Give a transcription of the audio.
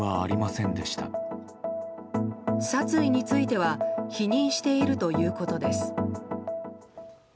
殺意については否認しているということです。